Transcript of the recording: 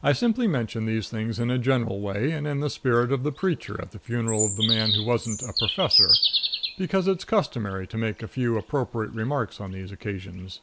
I simply mention these things in a general way, and in the spirit of the preacher at the funeral of the man who wasn't "a professor" because it's customary to make a few appropriate remarks on these occasions.